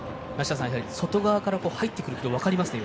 外側から入ってくる軌道、分かりますね。